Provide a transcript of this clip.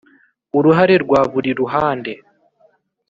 uruhare rwa buri ruhande